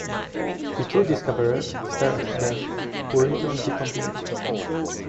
The two discoverers stare at them, who return the compliment.